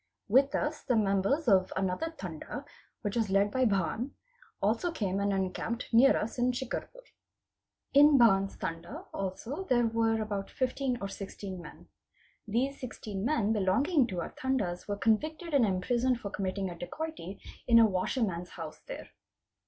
With us the members of | another Tanda, which was led by Bhann, also came and encamped nea 7 us in Shicarpur. In Bhann's Tanda also there were about 15 or 16 men. These 16 men belonging to our Tandas were convicted and imprisoned. for committing a dacoity in a washerman's house there.